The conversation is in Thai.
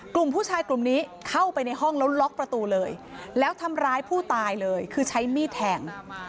กลุ่มผู้ชายกลุ่มนี้เข้าไปในห้องแล้วล็อกประตูเลยแล้วทำร้ายผู้ตายเลยคือใช้มีดแทง